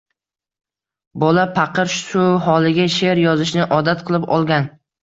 Bolapaqir, shu holiga... she’r yozishni odat qilib olgan!